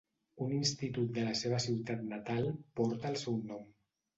Un institut de la seva ciutat natal porta el seu nom.